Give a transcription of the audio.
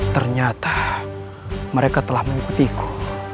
ternyata mereka telah mengikuti kau